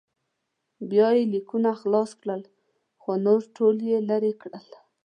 بیا یې لیکونه خلاص کړل خو نور ټول یې لرې کړل.